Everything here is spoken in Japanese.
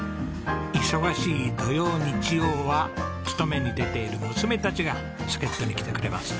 忙しい土曜日曜は勤めに出ている娘たちが助っ人に来てくれます。